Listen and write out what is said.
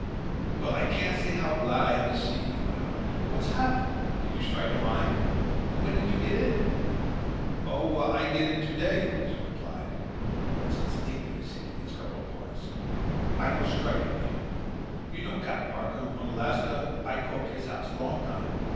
"Well, I can't say how glad I am to see you," he went on. "What's happened? Did you strike a mine? And when did you get in?" "Oo a, I get in to day," she replied, her voice instinctively seeking its guttural parts. "I no strike it, Neil. You known Cap'n Markheim, Unalaska? I cook, his house, long time.